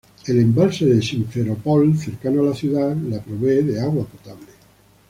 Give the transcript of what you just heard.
El embalse de Simferópol, cercano a la ciudad, la provee de agua potable.